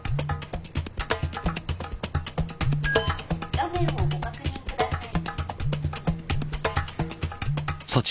「画面をご確認ください」